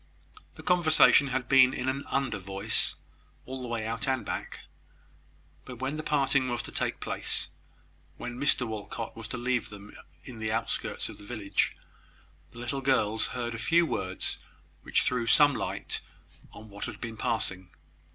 The conversation had been in an under voice, all the way out and back; but, when the parting was to take place, when Mr Walcot was to leave them in the outskirts of the village, the little girls heard a few words, which threw some light on what had been passing.